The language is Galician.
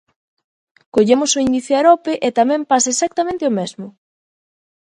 Collemos o índice Arope e tamén pasa exactamente o mesmo.